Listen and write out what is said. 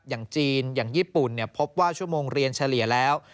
อย่างจีนอย่างญี่ปุ่นพบว่าชั่วโมงเรียนเฉลี่ยแล้ว